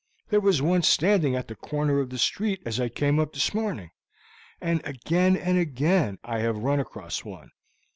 There was one standing at the corner of the street as I came up this morning, and again and again I have run across one.